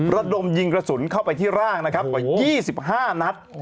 ระดมยิงกระสุนเข้าไปที่ร่างนะครับกว่า๒๕นัด